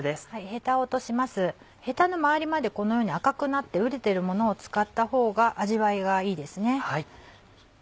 ヘタを落としますヘタの周りまでこのように赤くなって熟れてるものを使った方が味わいがいいですね。